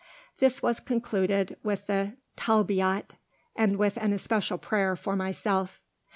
This was concluded with the "Talbiyat," and with an especial prayer for myself.